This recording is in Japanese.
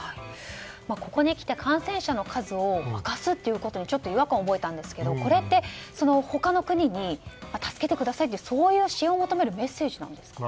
ここにきて感染者の数を明かすということに違和感を覚えたんですけどこれって他の国に助けてくださいっていう支援を求めるメッセージなんですか。